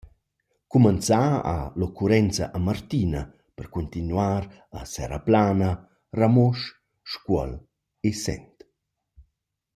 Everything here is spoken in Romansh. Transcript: Cumanzà ha l’occurrenza a Martina per cuntinuar a Seraplana, Ramosch, Scuol e Sent.